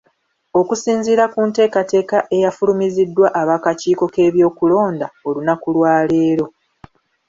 Okusinziira ku nteekateeka eyafulumiziddwa ab'akakiiko k'ebyokulonda olunaku lwaleero